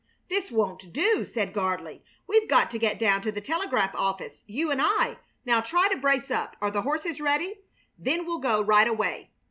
"This won't do!" said Gardley. "We've got to get down to the telegraph office, you and I. Now try to brace up. Are the horses ready? Then we'll go right away."